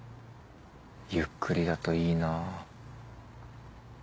ゆっくりだといいなぁ。